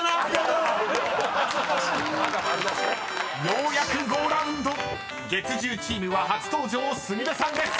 ［ようやくゴーラウンド］［月１０チームは初登場ＳＵＭＩＲＥさんです］